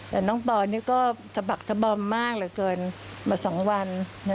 แต่น้องปอนนี่ก็สะบักสะบอมมากเหลือเกินมา๒วัน